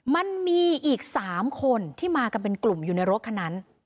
มันมีอีก๓คนที่มากันเป็นกลุ่มอยู่ในรถคันนั้น